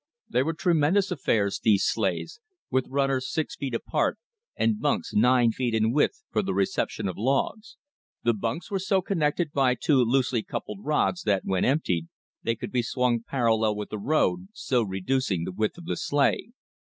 They were tremendous affairs, these sleighs, with runners six feet apart, and bunks nine feet in width for the reception of logs. The bunks were so connected by two loosely coupled rods that, when emptied, they could be swung parallel with the road, so reducing the width of the sleigh.